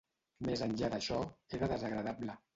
Més enllà d'això, era desagradable.